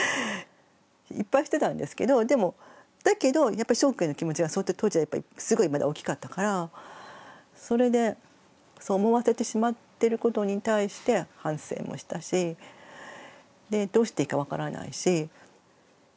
いっぱいしてたんですけどでもだけどやっぱりしょうくんへの気持ちが当時はすごいまだ大きかったからそれでそう思わせてしまってることに対して反省もしたしでどうしていいか分からないし。